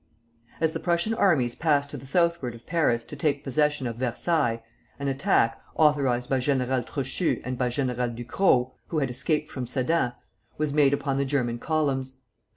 As the Prussian armies passed to the southward of Paris to take possession of Versailles, an attack, authorized by General Trochu and by General Ducrot (who had escaped from Sedan), was made upon the German columns.